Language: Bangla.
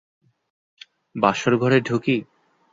বাসরঘরে ঢুকি।